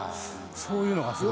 そういうのがすごい。